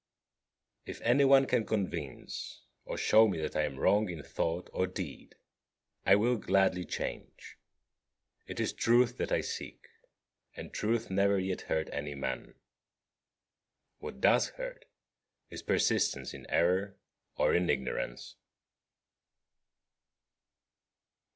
21. If any one can convince or shew me that I am wrong in thought or deed, I will gladly change. It is truth that I seek; and truth never yet hurt any man. What does hurt is persistence in error or in ignorance.